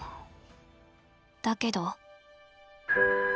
だけど。